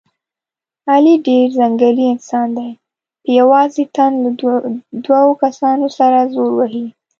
علي ډېر ځنګلي انسان دی، په یوازې تن له دور کسانو سره زور وهي.